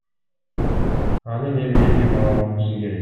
Анын эмгеги бааланышы керек.